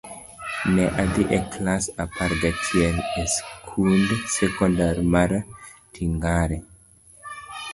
Ne adhi e klas apar gachiel e skund sekondar mar Tingare.